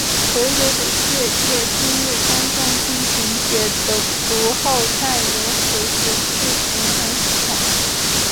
回流的血液进入肝脏进行解毒后再由回流至循环系统。